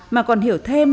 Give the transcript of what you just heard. mà còn hiểu thêm